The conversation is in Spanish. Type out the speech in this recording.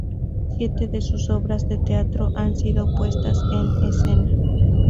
Siete de sus obras de teatro han sido puestas en escena.